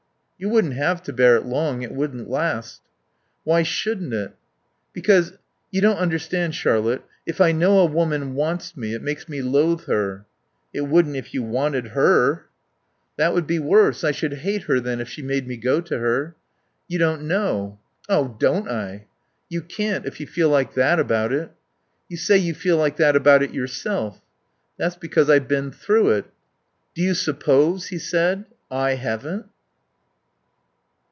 "You wouldn't have to bear it long. It wouldn't last." "Why shouldn't it?" "Because You don't understand, Charlotte if I know a woman wants me, it makes me loathe her." "It wouldn't, if you wanted her." "That would be worse. I should hate her then if she made me go to her." "You don't know." "Oh, don't I!" "You can't, if you feel like that about it." "You say you feel like that about it yourself." "That's because I've been through it." "Do you suppose," he said, "I haven't?"